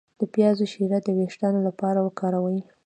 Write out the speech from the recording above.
د پیاز شیره د ویښتو لپاره وکاروئ